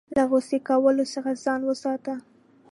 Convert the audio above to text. له غوسې کولو څخه ځان وساته .